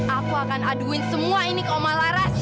aku akan aduin semua ini ke omalaras